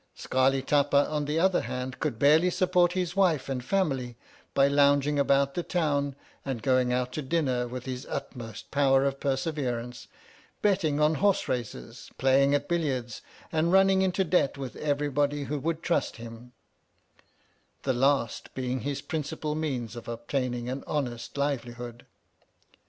Scarli Tapa, on the other hand, could barely support his wife and family by lounging about the town and going out to dinner with his utmost powers of perseverance, betting on horse races, playing at billiards, and running into debt with everybody who would trust him — the last being his principal means of obtaining an honest livelihood.